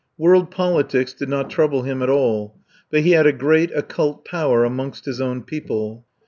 World politics did not trouble him at all, but he had a great occult power amongst his own people.